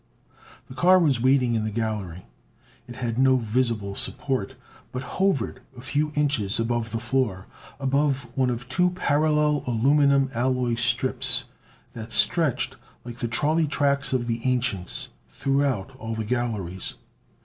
The car was waiting in the gallery. It had no visible support, but hovered a few inches above the floor above one of two parallel aluminum alloy strips that stretched, like the trolley tracks of the ancients, throughout all the galleries.